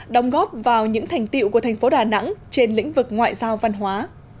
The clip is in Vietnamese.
đóng góp vào những thành tiệu của thành phố đà nẵng trên lĩnh vực ngoại giao văn hóa